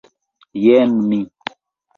Jen mi!